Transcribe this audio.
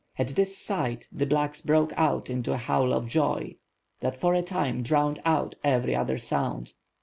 At this sight, the '^blacks" broke out into a howl of joy, that for a time drowned every other sound.